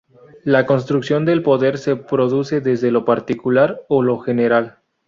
La construcción del poder se produce desde lo particular a lo general.